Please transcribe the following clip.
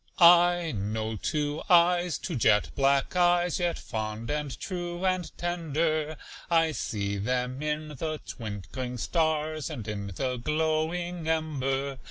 I know two eyes two jet black eyes, Yet fond and true and tender. I see them in the twinkling stars, And in the glowing ember.